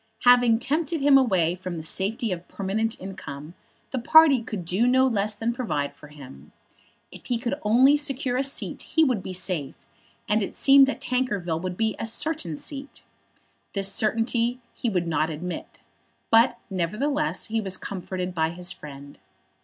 Having tempted him away from the safety of permanent income, the party could not do less than provide for him. If he could only secure a seat he would be safe; and it seemed that Tankerville would be a certain seat. This certainty he would not admit; but, nevertheless, he was comforted by his friend.